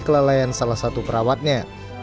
kelelayan salah satu perawatnya